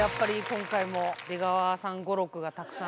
今回も出川さん語録がたくさん。